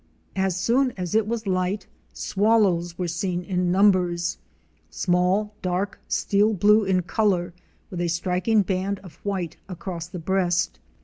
As soon as it was light, Swallows were seen in numbers, small, dark steel blue in color with a striking band of white across the breast.